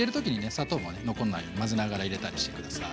砂糖もね残んないように混ぜながら入れたりして下さい。